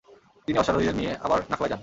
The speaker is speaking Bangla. তিনি অশ্বারোহীদের নিয়ে আবার নাখলায় যান।